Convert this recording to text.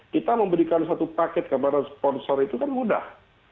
kita memberikan satu paket kepada sponsor itu kan mudah